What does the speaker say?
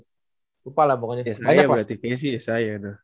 ya saya berarti kayaknya sih ya saya